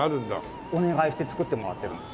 お願いして作ってもらってるんです。